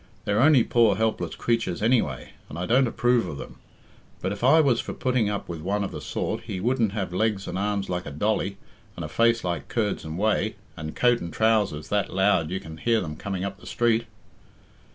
They're only poor helpless creatures anyway, and I don't approve of them. But if I was for putting up with one of the sort, he wouldn't have legs and arms like a dolly, and a face like curds and whey, and coat and trousers that loud you can hear them coming up the street."